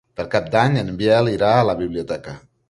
Per Cap d'Any en Biel irà a la biblioteca.